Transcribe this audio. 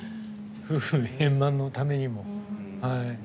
夫婦円満のためにも。